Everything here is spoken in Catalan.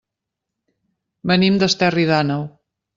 Venim d'Esterri d'Àneu.